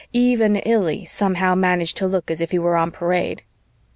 Even Illy somehow managed to look as if he were on parade.